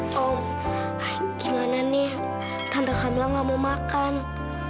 kamu gak bohong kan sama tante tante kamu serius sekali